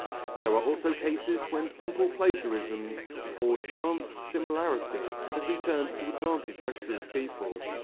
There are also cases when simple plagiarism or chance similarity has been turned to advantage by shrewd people.